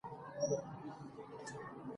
احمدشاه بابا یو تکړه نظامي مشر و.